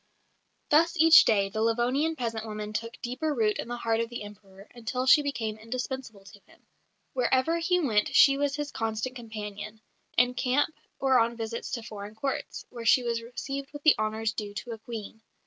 Thus each day the Livonian peasant woman took deeper root in the heart of the Emperor, until she became indispensable to him. Wherever he went she was his constant companion in camp or on visits to foreign Courts, where she was received with the honours due to a Queen.